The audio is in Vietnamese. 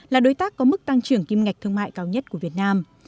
là đối tác có mức tăng trưởng kim ngạch thương mại cao nhất của việt nam